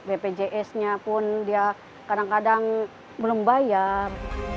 bpjs nya pun dia kadang kadang belum bayar